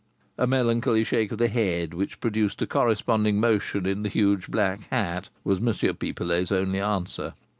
A melancholy shake of the head, which produced a corresponding motion in the huge black hat, was M. Pipelet's only answer.